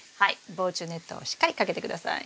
防虫ネットをしっかりかけて下さい。